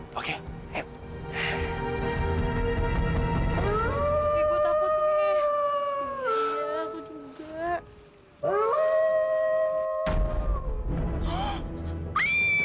masih gue takut nih